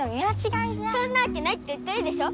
そんなわけないって言ってるでしょ！